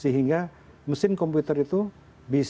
sehingga mesin komputer itu bisa belajar sendiri